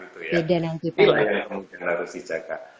itu yang harus dijaga